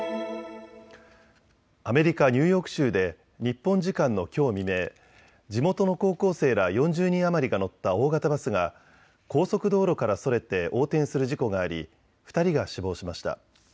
アメリカ・ニューヨーク州で日本時間のきょう未明、地元の高校生ら４０人余りが乗った大型バスが高速道路からそれて横転する事故があり２人が死亡しました。